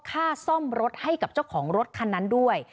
ค่าซ่อมรถให้กับเจ้าของรถคันนั้นด้วย